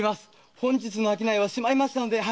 本日の商いはしまいましたので。